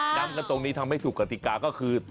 ย้ำกันตรงนี้ทำให้ถูกกติกาก็คือ